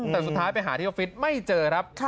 แต่สุดท้ายไปหาที่ออฟฟิศไม่เจอครับ